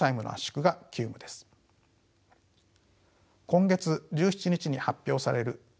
今月１７日に発表される